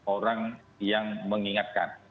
orang yang mengingatkan